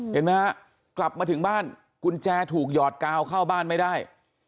เห็นไหมฮะกลับมาถึงบ้านกุญแจถูกหยอดกาวเข้าบ้านไม่ได้